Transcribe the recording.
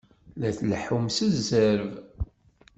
La tleḥḥum s zzerb!